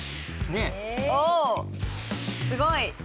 おすごい。